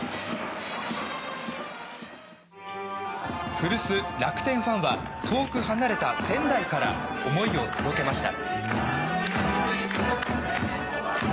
古巣・楽天ファンは遠く離れた仙台から思いを届けました。